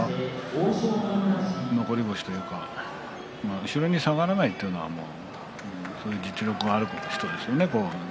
残り腰というか後ろに下がらないというのはそういう実力がある人ですよね。